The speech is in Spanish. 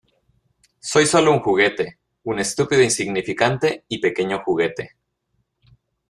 Soy sólo un juguete. Un estúpido insignificante y pequeño juguete .